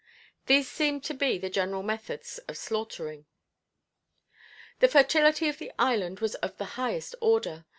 These seemed to be the general methods of slaughtering. The fertility of the island was of the highest order.